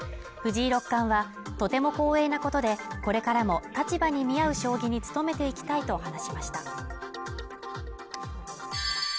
藤井六冠はとても光栄なことで、これからも立場に見合う将棋に努めていきたいと話しました